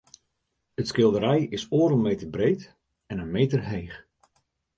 It skilderij is oardel meter breed en in meter heech.